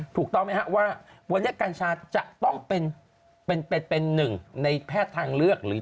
ถูกต้องไหมครับว่าวันนี้กัญชาจะต้องเป็นหนึ่งในแพทย์ทางเลือกหรือ